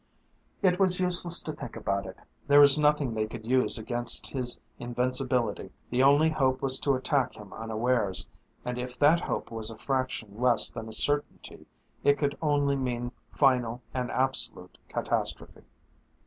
It was useless to think about it. There was nothing they could use against his invincibility. The only hope was to attack him unawares ... and if that hope was a fraction less than a certainty it could only mean final and absolute catastrophe.